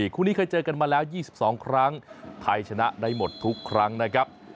คู่นี้เคยเจอกันมาแล้ว๒๒ครั้งไทยชนะได้หมดทุกครั้งนะครับ